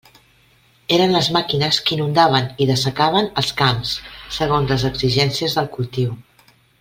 Eren les màquines que inundaven i dessecaven els camps, segons les exigències del cultiu.